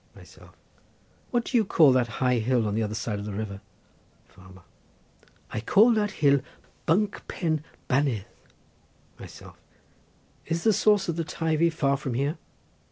Myself.—What do you call that high hill on the other side of the river? Farmer.—I call that hill Bunk Pen Bannedd. Myself.—Is the source of the Teivi far from here?